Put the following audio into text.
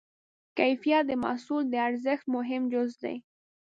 کیفیت د محصول د ارزښت مهم جز دی.